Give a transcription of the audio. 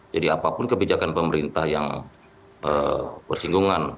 jadi apapun kebijakan pemerintah yang bersinggungan